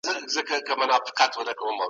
ورانکاري د ټولنې هيلې تر پښو لاندې کوي.